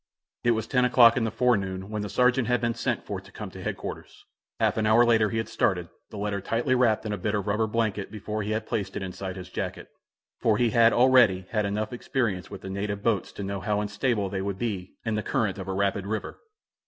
It was ten o'clock in the forenoon when the sergeant had been sent for to come to headquarters. Half an hour later he had started, the letter tightly wrapped in a bit of rubber blanket before he had placed it inside his jacket, for he had already had enough experience with the native boats to know how unstable they would be in the current of a rapid river.